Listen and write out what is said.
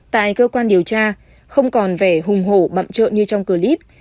tại cơ quan điều tra không còn vẻ hùng hổ bậm trợn như trong clip